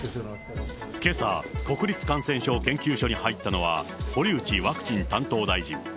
けさ、国立感染症研究所に入ったのは堀内ワクチン担当大臣。